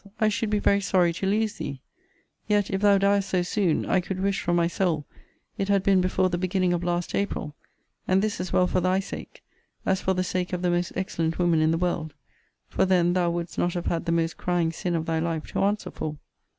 I should be very sorry to lose thee. Yet, if thou diest so soon, I could wish, from my soul, it had been before the beginning of last April: and this as well for thy sake, as for the sake of the most excellent woman in the world: for then thou wouldst not have had the most crying sin of thy life to answer for.